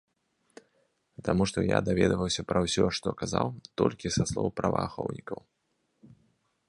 Таму што я даведваўся пра ўсё, што казаў, толькі са слоў праваахоўнікаў.